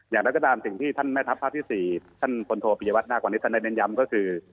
อย่างไรก็ตามสิ่งที่ท่านแม่ทัพภาคที่๔ท่านพลโทปิยวัฒนมากกว่านี้ท่านได้เน้นย้ำก็คือ